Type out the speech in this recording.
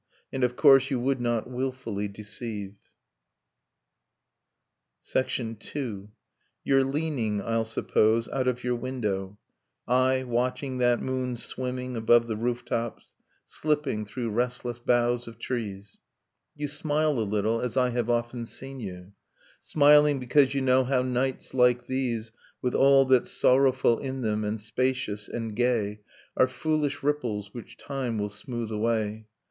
.. And of course you would not wilfully deceive ... Nocturne of Remembered Spring ■ II. ] You're leaning, I'll suppose, out of your window, — I Watching that moon swimming above the rooftops, ] Slipping through restless boughs of trees; \ You smile a little, as I have often seen you ;! Smiling because you know how nights like these, ) With all that's sorrowful in them, and spacious, and gay, ' Are foolish ripples which time will smooth away.